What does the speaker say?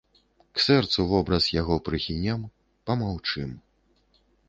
К сэрцу вобраз яго прыхінем, памаўчым.